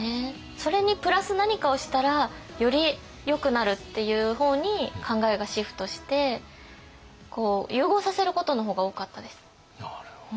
それにプラス何かをしたらよりよくなるっていう方に考えがシフトして融合させることの方が多かったです。